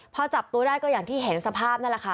พอจับตัวได้ก็อย่างที่เห็นสภาพนั่นแหละค่ะ